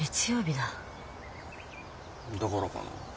だからかな。